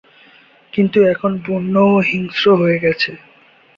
কিন্তু এখন বন্য ও হিংস্র হয়ে গেছে।